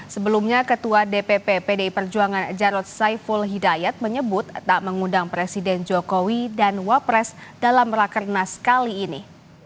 sebelumnya ketua dpp pdi perjuangan jarod saiful hidayat menyebut tak mengundang presiden jokowi dan wapres dalam rakernas kali ini